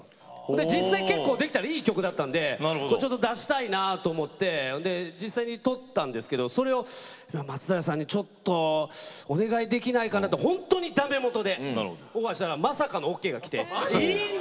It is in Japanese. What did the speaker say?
で実際結構できたらいい曲だったんでこれ出したいなと思って実際にとったんですけどそれを松平さんにちょっとお願いできないかなと本当にだめもとでオファーしたらまさかのオッケーが来ていいんですかと。